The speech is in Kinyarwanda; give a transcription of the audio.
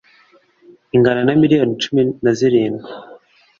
ingana na miliyoni cumi na zirindwi